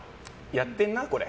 やってんな、これ。